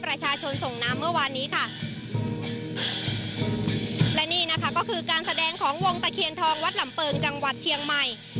และล่ะก็คือการแสดงของวงตะเคียนทองวัดหลัมเปิงจังหวัดเชียงใหม่